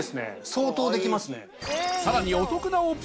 相当できますね。